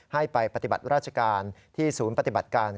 ให้ไปปฏิบัติราชการที่ศูนย์ปฏิบัติการ